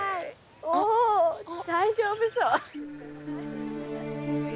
お大丈夫そう。